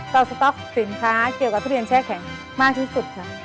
สต๊อกสินค้าเกี่ยวกับทุเรียนแช่แข็งมากที่สุดค่ะ